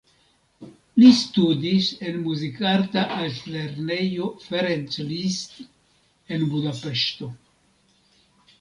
Li studis en Muzikarta Altlernejo Ferenc Liszt en Budapeŝto.